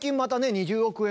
２０億円？